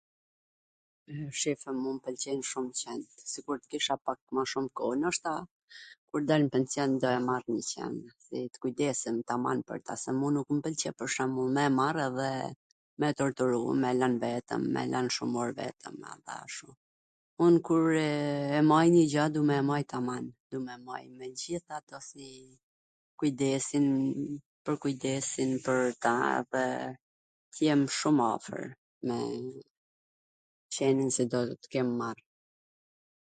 Shif, mua mw pwlqejn shum qentw. Sikur tw kisha mw shum koh, noshta kur tw dal nw pension, do marr njw qwn, tw kujdesem, ta marr se mu nuk mw pwlqen pwr shwmbull me marr edhe me e torturu, me e lwn vetwm, shum or vetwm, ashu. Un kur e marr njw gjw du me e majt tamam, du me e majt me gjith atw kujdesin kujdesin pwr ta dhe t jem shum afwr me qenin si do t kem marr.